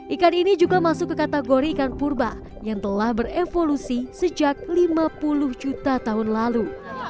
ikan ini juga masuk ke kategori ikan purba yang telah berevolusi sejak lima puluh juta tahun lalu